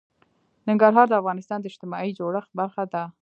ننګرهار د افغانستان د اجتماعي جوړښت برخه ده.